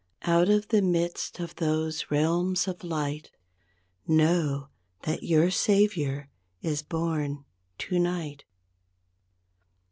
Out of the midst of those realms of light. Know that your Savior is born tonight.